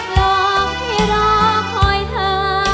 รอให้รอคอยเธอ